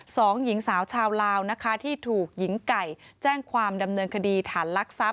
สองหญิงสาวชาวลาวนะคะที่ถูกหญิงไก่แจ้งความดำเนินคดีฐานลักทรัพย